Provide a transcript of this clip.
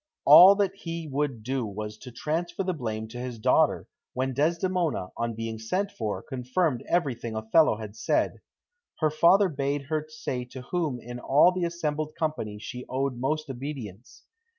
All that he would do was to transfer the blame to his daughter, when Desdemona, on being sent for, confirmed everything Othello had said. Her father bade her say to whom in all the assembled company she owed most obedience.